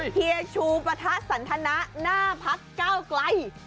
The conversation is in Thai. พี่ชูประธาสันธนาหน้าพักเก้าไกล